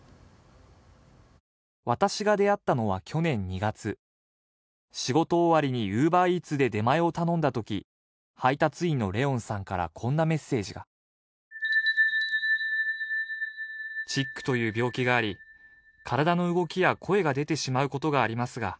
私が出会ったのは去年２月仕事終わりにＵｂｅｒＥａｔｓで出前を頼んだ時配達員の怜音さんからこんなメッセージが「チックという病気があり」「体の動きや声が出てしまう事がありますが」